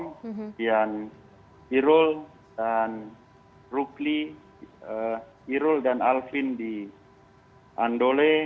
kemudian irol dan rukli irol dan alvin di andole